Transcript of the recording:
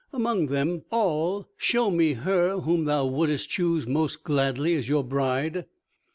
"Among them all show me her whom thou wouldst choose most gladly as your bride."